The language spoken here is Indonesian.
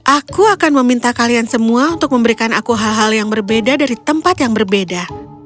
aku akan meminta kalian semua untuk memberikan aku hal hal yang berbeda dari tempat yang berbeda